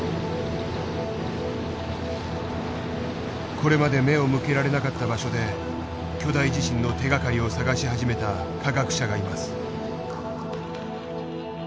これまで目を向けられなかった場所で巨大地震の手がかりを探し始めた科学者がいます。